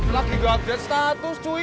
lagi ga ada status cuy